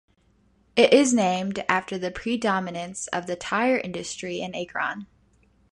It is named after the predominance of the tire industry in Akron.